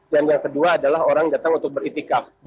yang kedua adalah orang datang untuk beritikaf